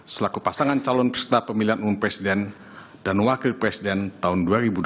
selaku pasangan calon peserta pemilihan umum presiden dan wakil presiden tahun dua ribu dua puluh